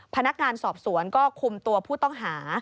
พนักงานสอบสวนก็คุมตัวผู้ต้องหา